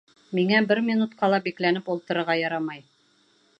Миңә бер минутҡа ла бикләнеп ултырырға ярамай!